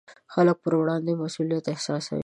د خلکو پر وړاندې مسوولیت احساسوي.